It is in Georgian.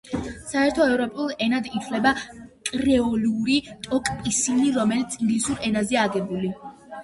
საერთო ეროვნულ ენად ითვლება კრეოლური ტოკ-პისინი, რომელიც ინგლისურ ენაზეა აგებული.